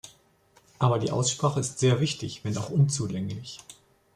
Aber die Aussprache ist sehr wichtig, wenn auch unzulänglich.